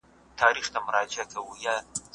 د خپل مال زکات ورکړئ.